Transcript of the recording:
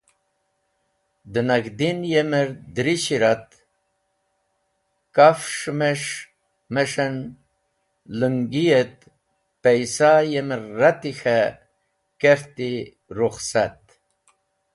Da nag̃hdin yemer dirishi ret, kafs̃h masih et lengi et paysa yemer reti k̃he kert rukhsat.